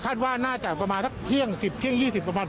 พื้นเมืองช่างจากมุมชีวิตตรงเมืองชายที่ผ่านมาค่ะ